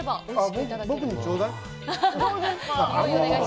僕にちょうだい。